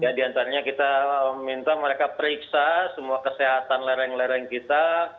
jadi antaranya kita minta mereka periksa semua kesehatan lereng lereng kita